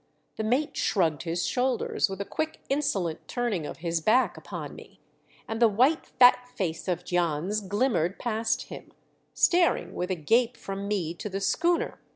The mate shrugged his shoulders, with a quick, insolent turning of his back upon me, and the white, fat face of Jans glimmered past him, staring with a gape from me to the schooner.